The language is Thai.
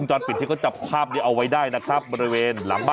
ใช้เมียได้ตลอด